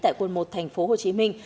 tại quần một thành phố hồ chí minh